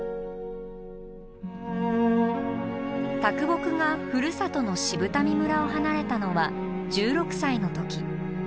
啄木がふるさとの渋民村を離れたのは１６歳の時。